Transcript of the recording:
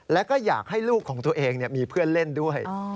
แล้วก็อยากให้ลูกของตัวเองมีเพื่อนเล่นด้วย